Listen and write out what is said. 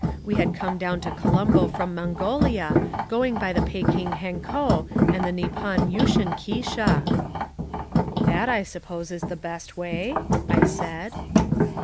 We had come down to Colombo from Mongolia, going by the Pekin Hankow and the Nippon Yushen Keisha." "That, I suppose, is the best way?" I said.